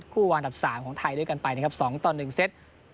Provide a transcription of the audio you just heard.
วางอันดับ๓ของไทยด้วยกันไปนะครับ๒ต่อ๑เซต